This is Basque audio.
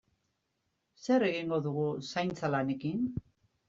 Zer egingo dugu zaintza lanekin?